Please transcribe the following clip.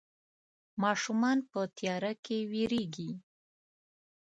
ماشومان په تياره کې ويرېږي.